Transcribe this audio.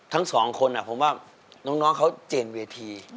ทั้งสองคนผมว่าน้องเขาเจนเวที